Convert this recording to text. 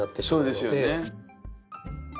そうですよね。